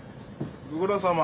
ご苦労さま。